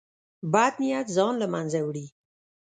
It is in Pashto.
بد نیت ځان له منځه وړي.